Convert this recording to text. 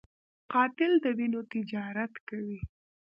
قاتل د وینو تجارت کوي